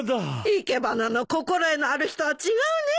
生け花の心得のある人は違うね。